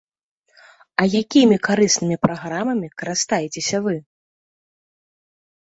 А якімі карыснымі праграмамі карыстаецеся вы?